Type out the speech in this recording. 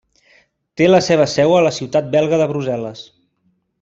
Té la seva seu a la ciutat belga de Brussel·les.